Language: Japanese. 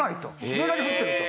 上だけ降ってると。